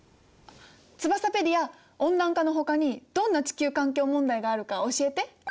ツバサペディア温暖化のほかにどんな地球環境問題があるか教えて。